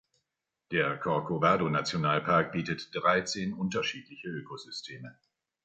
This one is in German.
Der Corcovado Nationalpark bietet dreizehn unterschiedliche Ökosysteme.